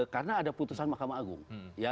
karena ada putusan mahkamah agung